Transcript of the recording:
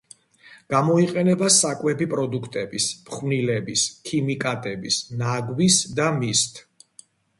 გამოიყენება საკვები პროდუქტების, ფხვნილების, ქიმიკატების, ნაგვის და მისთ.